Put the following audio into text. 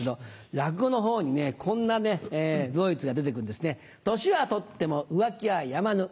落語のほうにこんな都々逸が出て来るんですね。